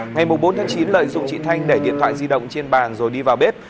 ngày bốn chín lợi dụng chị thanh để điện thoại di động trên bàn rồi đi vào bếp